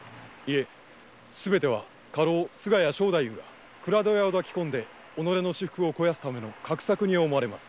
すべては家老菅谷庄太夫が倉戸屋を抱き込んで私腹を肥やすための画策に思われます。